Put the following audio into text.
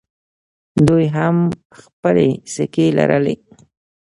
دوی هم خپلې سکې لرلې